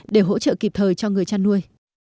để hỗ trợ kịp thời cho người chăn nuôi